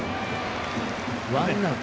ワンアウト。